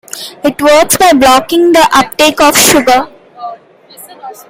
It works by blocking the uptake of sugar.